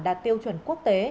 đạt tiêu chuẩn quốc tế